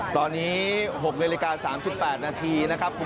ตอนนี้๖นาที๓๘นาทีนะครับครับ